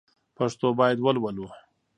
پښتو باید ولولو